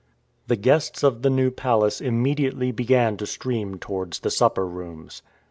The guests of the New Palace immediately began to stream towards the supper rooms.